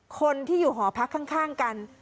คนที่อยู่หอพักข้างกัน